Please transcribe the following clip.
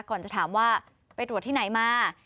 ก่อนจะถามว่าไปตรวจที่ไหนมา